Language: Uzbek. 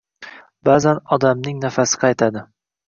Ba'zan odamning nafasi qaytadi.